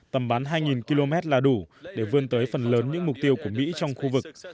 tầm bắn hai km là đủ để vươn tới phần lớn những mục tiêu của mỹ trong khu vực